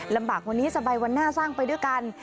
ลำบากวันนี้สบายวันหน้าสร้างไปด้วยกัน